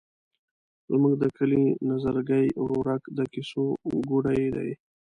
زموږ د کلي نظرګي ورورک د کیسو ګوډی دی.